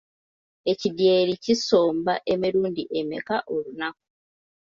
Ekidyeri kisomba emirundi emeka olunaku?